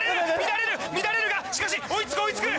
乱れる乱れるがしかし追いつく追いつく！